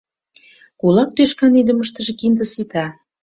— Кулак тӱшкан идымыштыже кинде сита.